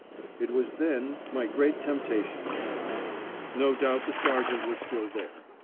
It was then my great temptation came. No doubt the sergeant was still there.